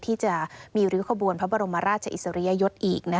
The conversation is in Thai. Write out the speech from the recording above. ที่จะมีริ้วขบวนพระบรมราชอิสริยยศอีก